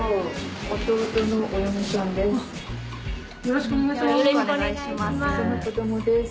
よろしくお願いします。